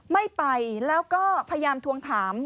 ไม่ไปแล้วก็พยายามทวงถาม